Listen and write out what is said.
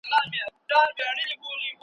په ورځ کې دوه ځله سر مساج کول وړاندیز شوی.